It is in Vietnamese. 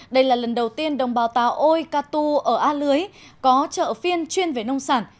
đây là lần đầu tiên đồng bào tà ôi ca tu ở a lưới có chợ phiên chuyên về nông sản